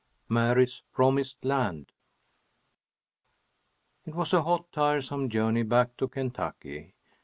MARY'S "PROMISED LAND" It was a hot, tiresome journey back to Kentucky.